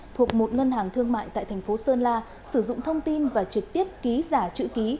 thuộc một ngân hàng thương mại tại thành phố sơn la sử dụng thông tin và trực tiếp ký giả chữ ký